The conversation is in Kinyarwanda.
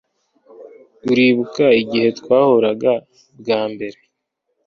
Uribuka igihe twahuraga bwa mbere